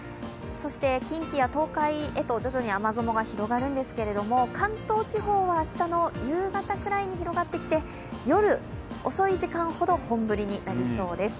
そして近畿や東海へと徐々に雨雲が広がるんですけど、関東地方は明日の夕方ぐらいに広がってきて、夜遅い時間ほど本降りになりそうです。